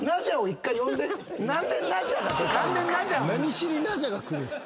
何しにナジャが来るんすか。